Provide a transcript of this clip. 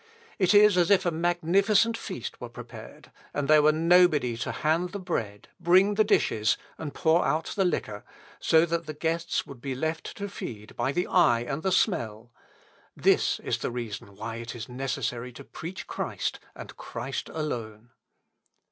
It is as if a magnificent feast were prepared, and there were nobody to hand the bread, bring the dishes, and pour out the liquor; so that the guests would be left to feed by the eye and the smell.... This is the reason why it is necessary to preach Christ, and Christ alone.